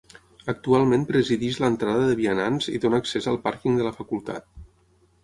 Actualment presideix l'entrada de vianants i dóna accés al pàrquing de la facultat.